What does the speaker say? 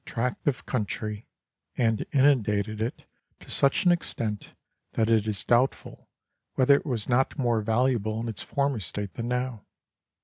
tract of country, and inundated it to such an extent that it is doubtful whether it was not more valuable in its former state than now.